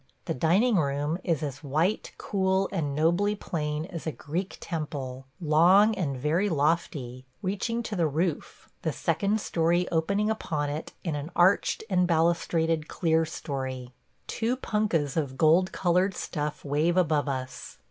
The dining room is as white, cool, and nobly plain as a Greek temple; long and very lofty – reaching to the roof – the second story opening upon it in an arched and balustraded clere story. Two punkahs of gold colored stuff wave above us.